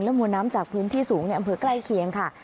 และหัวน้ำจากพื้นที่สูงอำเภอกลายเคียงค่ะ